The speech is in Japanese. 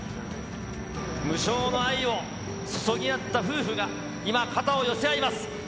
無償の愛を捧げあった夫婦が今肩を寄せ合います。